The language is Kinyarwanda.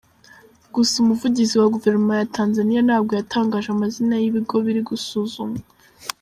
Gusa umuvugizi wa Guverinoma ya Tanzania ntabwo yatangaje amazina y’ibigo biri gusuzumwa.